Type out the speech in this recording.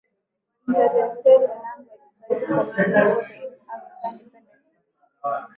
Inter territorial Language Swahili committee for the East African Dependencies